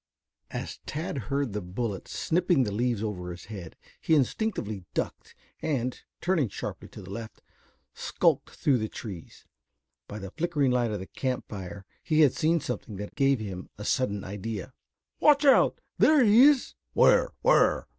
As Tad heard the bullets snipping the leaves over his head, he instinctively ducked and, turning sharply to the left, skulked through the trees. By the flickering light of the camp fire he had seen something that gave him a sudden idea. "Watch out. There he is?" "Where, where?"